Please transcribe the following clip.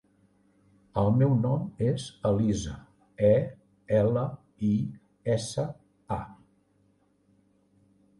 El meu nom és Elisa: e, ela, i, essa, a.